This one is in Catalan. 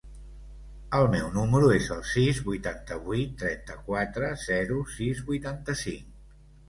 El meu número es el sis, vuitanta-vuit, trenta-quatre, zero, sis, vuitanta-cinc.